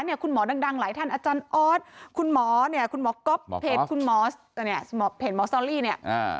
คุณหมอดังหลายท่านอาจารย์ออสคุณหมอเนี่ยคุณหมอก๊อฟเพจคุณหมอเนี่ยเพจหมอซอรี่เนี่ย